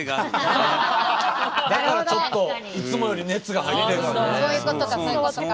だからちょっといつもより熱が入ってんすね。